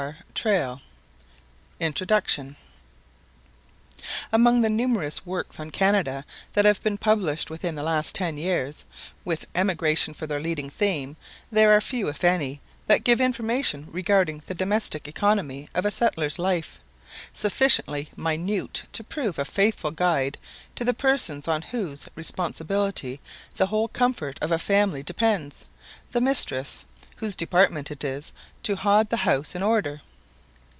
Flying Squirrel INTRODUCTION AMONG the numerous works on Canada that have been published within the last ten years, with emigration for their leading theme, there are few, if any, that give information regarding the domestic economy of a settler's life, sufficiently minute to prove a faithful guide to the person on whose responsibility the whole comfort of a family depends the mistress, whose department it is "to haud the house in order."